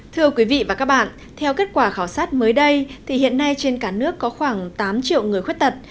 thưa quý vị và các bạn theo kết quả khảo sát mới đây thì hiện nay trên cả nước có khoảng tám triệu người khuyết tật